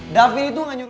daffy itu gak nyuruh